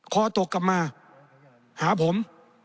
คอตกกลับมาหาผม